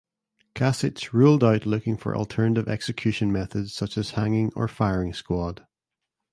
Kasich ruled out looking for alternative execution methods such as hanging or firing squad.